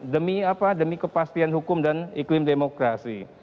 demi apa demi kepastian hukum dan iklim demokrasi